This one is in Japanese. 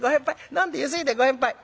飲んでゆすいで『ご返杯』」。